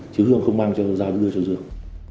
chứ hương không mang giao đưa cho dương